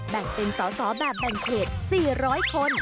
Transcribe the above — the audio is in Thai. แบ่งเป็นสอสอแบบแบ่งเขต๔๐๐คน